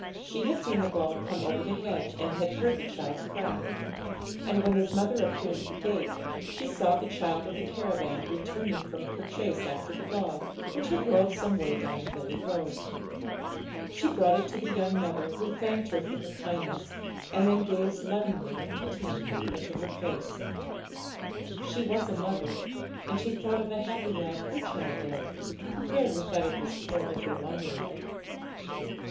She had seen the ball come over the hedge, and had heard the child's cry; and, when his mother appeared at the gate, she saw the child of the caravan returning from her chase after the ball, which had rolled some way down the hilly road. She brought it to the young mother, who thanked her for her kindness, and then gazed lovingly and pityingly into her face. She was a mother, and she thought of the happy life her child led, compared with that of this poor little wanderer.